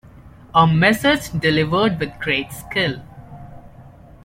A message delivered with great skill.